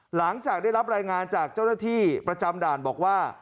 หลังจากได้รับรายงานจากเจ้าหน้าที่ประจำด่านบอกว่า